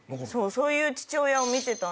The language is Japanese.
そういう父親を見てたんで。